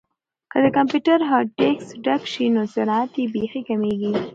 که د کمپیوټر هارډیسک ډک شي نو سرعت یې بیخي کمیږي.